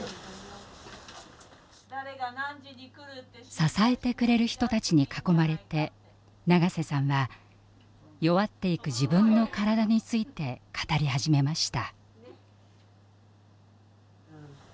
支えてくれる人たちに囲まれて長瀬さんは弱っていく自分の体について語り始めました。